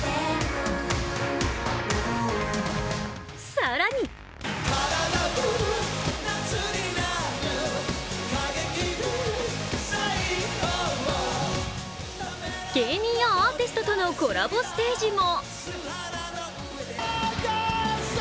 更に芸人やアーティストとのコラボステージも。